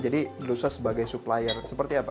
jadi di rusa sebagai supplier seperti apa